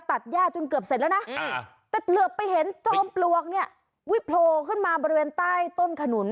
แต่เหลือไปเห็นจอมปลวกนี่วิโพลขึ้นมาบริเวณต้นคนน